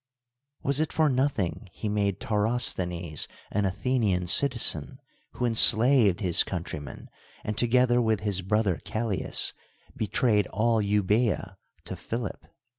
Was it for nothing he made Taurosthenes an Athenian citizen, who enslaved his countrymen, and, together with his brother Callias, betrayed all Euboea to Philip?